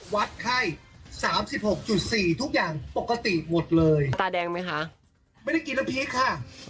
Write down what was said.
ไม่ได้กินแล้วพีชค่ะ